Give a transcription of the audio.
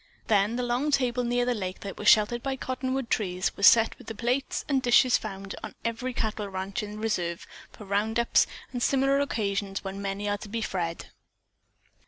Then the long table near the lake that was sheltered by cottonwood trees was set with the plate and dishes found on every cattle ranch in reserve for round ups and similar occasions when many are to be fed.